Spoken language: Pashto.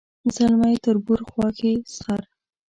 ځلمی تربور خواښې سخر